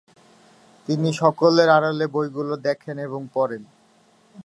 তিনি সকলের আড়ালে বইগুলি দেখেন এবং পড়েন।